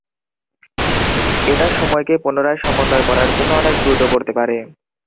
এটা সময়কে পুনরায় সমন্বয় করার জন্য অনেক দ্রুত করতে পারে।